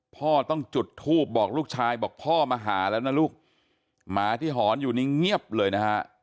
พ่อต้องจุดทูบบอกลูกชายบอกพ่อมาหาแล้วนะลูกหมาที่หอนอยู่นี่เงียบเลยนะฮะ